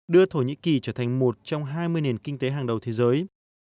đưa thổ nhĩ kỳ trở thành một trong hai mươi nền kinh tế hàng đầu thế giới